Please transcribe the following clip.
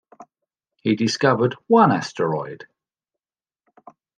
He discovered one asteroid.